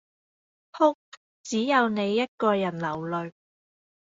哭，只有你一個人流淚